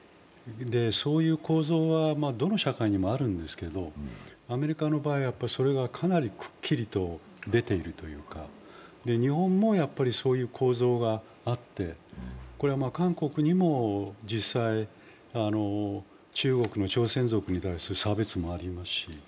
そういう構造はどの社会にもあるんですけれども、アメリカの場合は、それがかなりくっきりと出ているというか、日本も、やっぱり、そういう構造があって、これは韓国にも実際、中国の朝鮮族に対する差別もありますし。